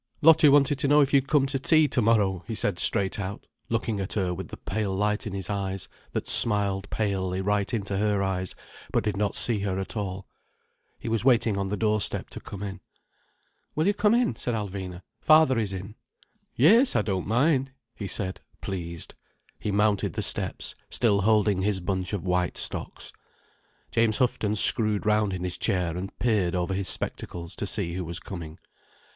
"Lottie wanted to know if you'd come to tea tomorrow," he said straight out, looking at her with the pale light in his eyes, that smiled palely right into her eyes, but did not see her at all. He was waiting on the doorstep to come in. "Will you come in?" said Alvina. "Father is in." "Yes, I don't mind," he said, pleased. He mounted the steps, still holding his bunch of white stocks. James Houghton screwed round in his chair and peered over his spectacles to see who was coming.